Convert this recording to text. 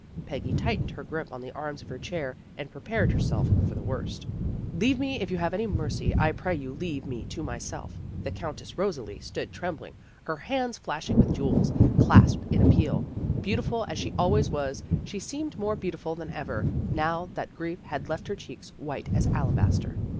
Peggy tightened her grip on the arms of her chair, and prepared herself for the worst. "' Leave me, if you have any mercy, I pray you leave me to myself.' The Countess Rosalie stood trembling, her hands flashing with jewels, PEGGY ACTS AS CRITIC 143 clasped in appeal. Beautiful as she always was, she seemed more beautiful than ever, now that grief had left her cheeks white as alabas ter."